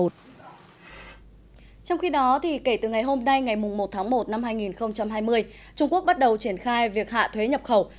trong khi đó kể từ ngày hôm nay ngày một tháng một năm hai nghìn hai mươi trung quốc bắt đầu triển khai việc hạ thuế nhập khẩu